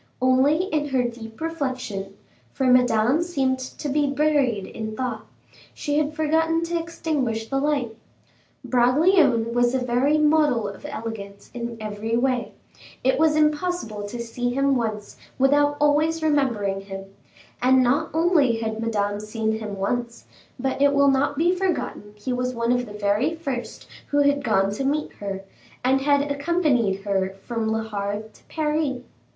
Only in her deep reflection, for Madame seemed to be buried in thought, she had forgotten to extinguish the light. Bragelonne was a very model of elegance in every way; it was impossible to see him once without always remembering him; and not only had Madame seen him once, but it will not be forgotten he was one of the very first who had gone to meet her, and had accompanied her from Le Havre to Paris.